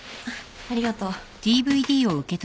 ありがとう。